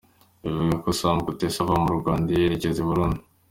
Bivugwa ko Sam Kutesa ava mu Rwanda yerekeza I Burundi.